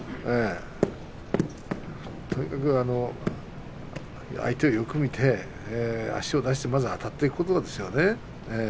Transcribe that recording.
とにかく相手をよく見て足を出してまず、あたっていくことです。